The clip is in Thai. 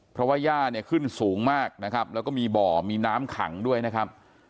เพราะว่าย่าเนี่ยขึ้นสูงมากนะครับแล้วก็มีบ่อมีน้ำขังด้วยนะครับ